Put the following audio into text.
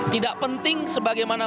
tidak penting sebagaimana